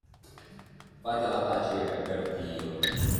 Fatela tacere, per Dio.